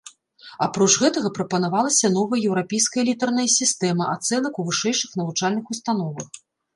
Апроч гэтага прапанавалася новая еўрапейская літарная сістэма ацэнак у вышэйшых навучальных установах.